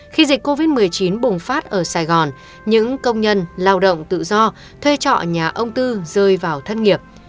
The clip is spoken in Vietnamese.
khi dịch covid một mươi chín bùng phát ở sài gòn những công nhân lao động tự do thuê trọ nhà ông tư rơi vào thân nghiệp